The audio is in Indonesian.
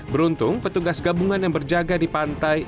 beruntung petugas gabungan yang berjaga di pantai